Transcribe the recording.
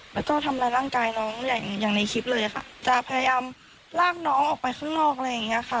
แล้วก็ทำร้ายร่างกายน้องอย่างอย่างในคลิปเลยค่ะจะพยายามลากน้องออกไปข้างนอกอะไรอย่างเงี้ยค่ะ